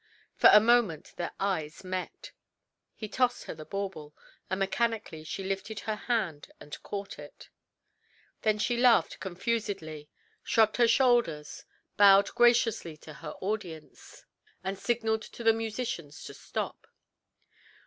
For a moment their eyes met. He tossed her the bauble, and mechanically she lifted her hand and caught it. Then she laughed confusedly, shrugged her shoulders, bowed graciously to her audience, and signalled to the musicians to stop.